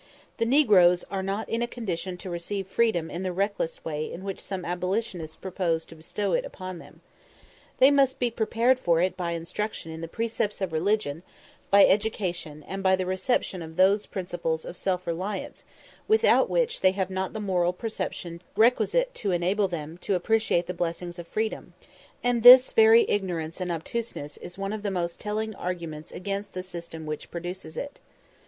The negroes are not in a condition to receive freedom in the reckless way in which some abolitionists propose to bestow it upon them. They must be prepared for it by instruction in the precepts of religion, by education, and by the reception of those principles of self reliance, without which they have not the moral perception requisite to enable them to appreciate the blessings of freedom; and this very ignorance and obtuseness is one of the most telling arguments against the system which produces it.